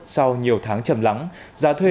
sau nhiều tháng chầm lắng giá thuê